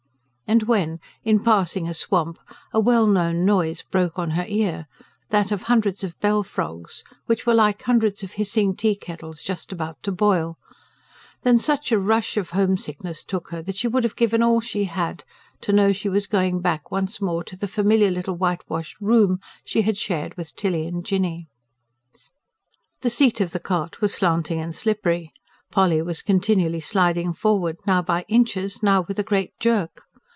And when, in passing a swamp, a well known noise broke on her ear that of hundreds of bell frogs, which were like hundreds of hissing tea kettles just about to boil then such a rush of homesickness took her that she would have given all she had, to know she was going back, once more, to the familiar little whitewashed room she had shared with Tilly and Jinny. The seat of the cart was slanting and slippery. Polly was continually sliding forward, now by inches, now with a great jerk.